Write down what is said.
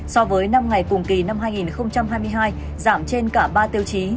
so với năm ngày cùng kỳ năm hai nghìn hai mươi hai giảm trên cả ba tiêu chí